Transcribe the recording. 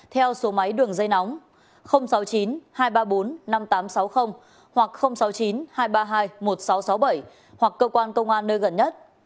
theo số máy đường dây nóng sáu mươi chín hai trăm ba mươi bốn năm nghìn tám trăm sáu mươi hoặc sáu mươi chín hai trăm ba mươi hai một nghìn sáu trăm sáu mươi bảy hoặc cơ quan công an nơi gần nhất